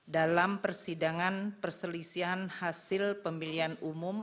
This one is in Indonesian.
dalam persidangan perselisihan hasil pemilihan umum